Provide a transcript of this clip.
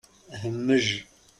Hmej!